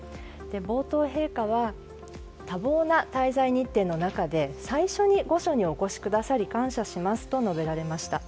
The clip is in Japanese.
冒頭、陛下は多忙な滞在日程の中で最初に御所にお越しくださり感謝しますと述べられました。